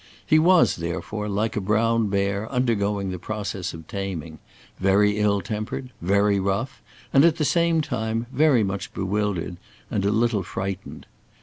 He was, therefore, like a brown bear undergoing the process of taming; very ill tempered, very rough, and at the same time very much bewildered and a little frightened.